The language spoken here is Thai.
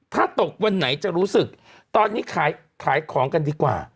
ถ้าตกวันไหนจะรู้สึกตอนนี้ขายของกันดีกว่า